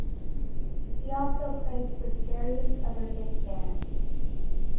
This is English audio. He also played with various other big bands.